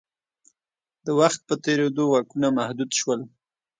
د وخت په تېرېدو واکونه محدود شول.